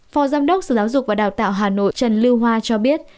phó giám đốc sở giáo dục và đào tạo hà nội trần lưu hoa cho biết